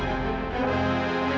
tante kita harus berhenti